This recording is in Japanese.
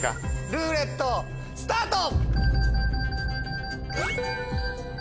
ルーレットスタート！